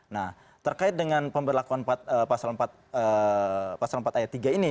nah terkait dengan pemberlakuan pasal empat ayat tiga ini